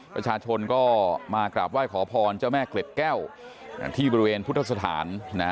ประชาชนก็มากราบไหว้ขอพรเจ้าแม่เกล็ดแก้วที่บริเวณพุทธสถาน